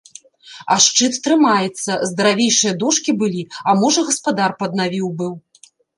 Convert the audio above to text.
А шчыт трымаецца, здаравейшыя дошкі былі, а можа, гаспадар паднавіў быў.